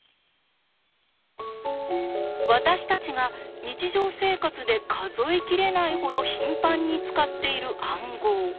私たちが日常生活で数え切れないほど頻繁に使っている暗号。